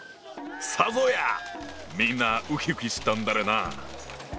さぞやみんなうきうきしたんだろうな。